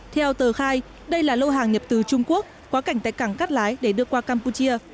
theo tờ khai đây là lô hàng nhập từ trung quốc quá cảnh tại cảng cát lái để đưa qua campuchia